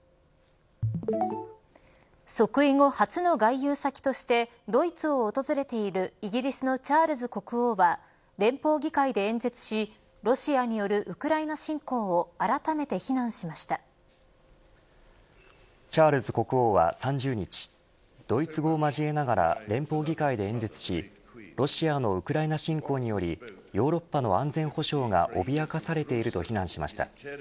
即位後、初の外遊先としてドイツを訪れているイギリスのチャールズ国王は連邦議会で演説しロシアによるウクライナ侵攻をチャールズ国王は３０日ドイツ語を交えながら連邦議会で演説しロシアのウクライナ侵攻によりヨーロッパの安全保障が脅かされていると非難しました。